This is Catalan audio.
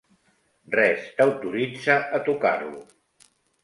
Res t'autoritza a tocar-lo.